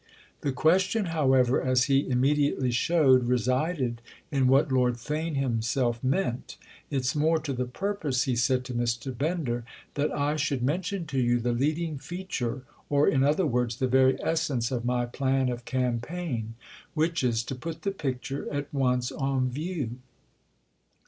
The question, however, as he immediately showed, resided in what Lord Theign himself meant "It's more to the purpose," he said to Mr. Bender, "that I should mention to you the leading feature, or in other words the very essence, of my plan of campaign—which is to put the picture at once on view."